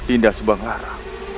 dinda subang lara